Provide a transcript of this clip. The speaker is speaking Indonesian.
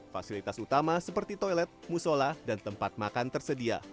fasilitas utama seperti toilet musola dan tempat makan tersedia